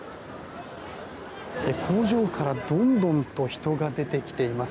工場からどんどん人が出てきています。